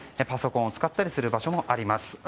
パソコンを使ったりする場所もあります。